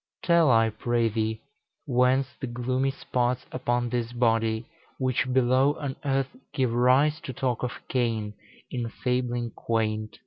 Tell, I pray thee, whence the gloomy spots Upon this body, which below on earth Give rise to talk of Cain in fabling quaint?"